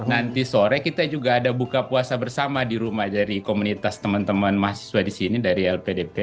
dan nanti sore kita juga ada buka puasa bersama di rumah dari komunitas teman teman mahasiswa di sini dari lpdp